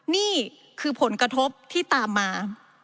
นี่คือผลกระทบที่ตามมา